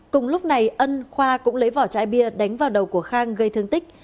cùng lúc này ân khoa cũng lấy vỏ chai bia đánh vào đầu của khang gây thương tích